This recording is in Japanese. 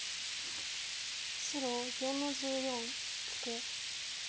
白４の十四ツケ。